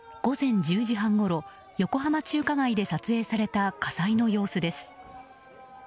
午前１０時半ごろ横浜中華街で撮影された火災の様子です。